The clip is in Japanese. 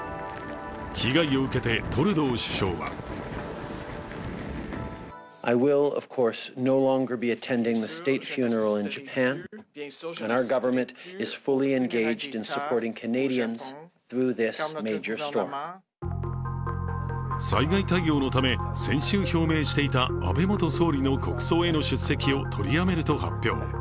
被害を受けて、トルドー首相は災害対応のため先週表明していた安倍元総理の国葬への出席を取りやめると発表。